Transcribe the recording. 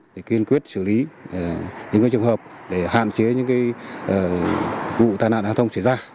để kiên quyết xử lý những trường hợp để hạn chế những vụ tai nạn giao thông xảy ra